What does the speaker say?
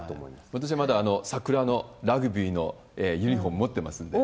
私はまだ桜のラグビーのユニホーム持ってますんで。